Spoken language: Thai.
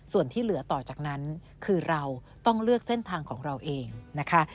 ส่วนที่เหลือต่อจากนั้นคือเราต้องเลือกเส้นทางของเราเองนะคะ